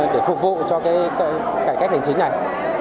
để phục vụ cho cải cách hành chính này